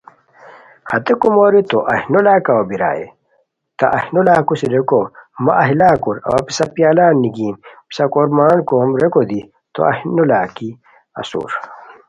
ہتے کومورو تو ایھ نو لاکاؤ بیرائے، تہ ایھ نولاکوسی ریکو مہ ایھ لاکور اوا پیسہ پیالان نیگیم پیسہ کورمان کوم ریکو دی تو ایھ نولاکی اسور